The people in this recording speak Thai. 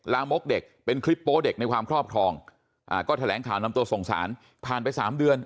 ลามกเด็กเป็นคลิปโป๊เด็กในความครอบครองก็แถลงข่าวนำตัวส่งสารผ่านไป๓เดือน